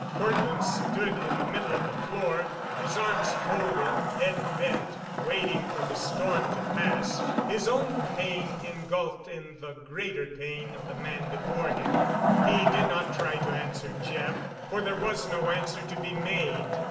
Cortland stood in the middle of the floor, his arms folded, head bent, waiting for the storm to pass, his own pain engulfed in the greater pain of the man before him. He did not try to answer Jeff, for there was no answer to be made.